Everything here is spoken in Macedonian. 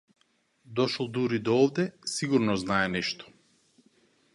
Дошол дури до овде сигурно знае нешто.